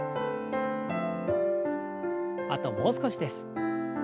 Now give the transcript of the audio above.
あともう少しです。